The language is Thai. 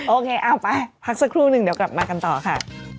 โอเคเอาไปพักสักครู่หนึ่งเดี๋ยวกลับมากันต่อค่ะ